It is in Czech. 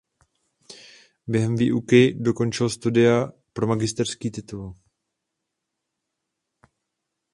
Během výuky dokončil studia pro magisterský titul.